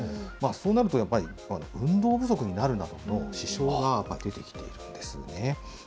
そうなるとやっぱり、運動不足になるなどの支障が出てきているんですね。